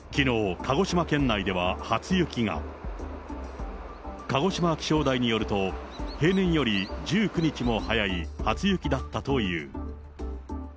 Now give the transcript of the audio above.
鹿児島気象台によると、平年より１９日も早い初雪だったという。